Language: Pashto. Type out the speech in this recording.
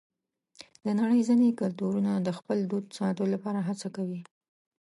د نړۍ ځینې کلتورونه د خپل دود ساتلو لپاره هڅه کوي.